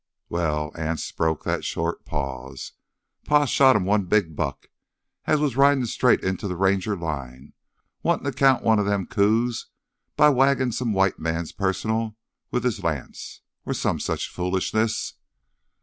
"Well," Anse broke that short pause, "Pa shot him one big buck as was ridin' straight into th' Ranger line, wantin' to count one o' them coups by whangin' some white man personal with his lance, or some such foolishness.